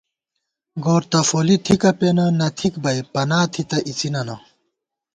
گور دفولی تھِکہ پېنہ نہ تھِک بئ پنا تھِتہ اِڅِننہ